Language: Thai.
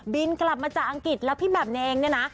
กลับมาจากอังกฤษแล้วพี่แหม่มเองเนี่ยนะ